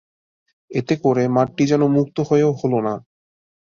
এতে করে মাঠটি যেন মুক্ত হয়েও হলো না।